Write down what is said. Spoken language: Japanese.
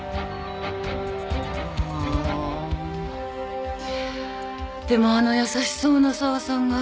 あでもあの優しそうな沢さんが。